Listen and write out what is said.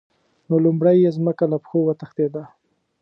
نو لومړی یې ځمکه له پښو وتښتېده.